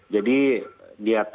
jadi dia terlihat